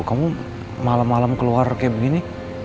kamu malam malam keluar kayak begini